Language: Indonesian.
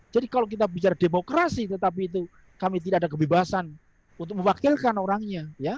jadi kalau kita bicara demokrasi tetapi itu kami tidak ada kebebasan untuk mewakilkan orangnya